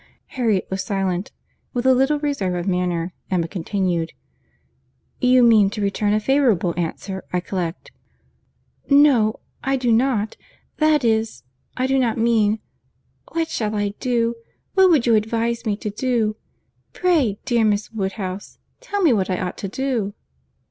Harriet was silent. With a little reserve of manner, Emma continued: "You mean to return a favourable answer, I collect." "No, I do not; that is, I do not mean—What shall I do? What would you advise me to do? Pray, dear Miss Woodhouse, tell me what I ought to do."